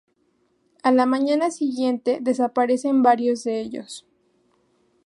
A la mañana siguiente desaparecen varios de ellos.